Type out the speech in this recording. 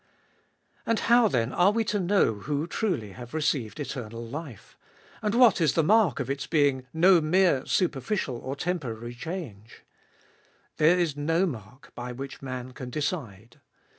And how, then, are we to know who truly have received eternal life ? and what is the mark of its being no mere superficial or tem porary change ? There is no mark by which man can decide.